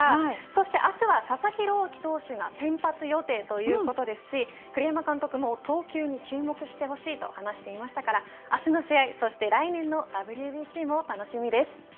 そして明日は佐々木朗希選手が先発予定ということですし栗山監督も投球に注目してほしいと話していましたから明日の試合そして来年のＷＢＣも楽しみです。